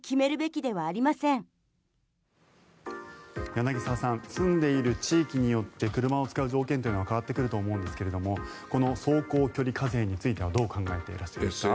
柳澤さん住んでいる地域によって車を使う条件というのは変わってくると思うんですがこの走行距離課税についてはどう考えていらっしゃいますか？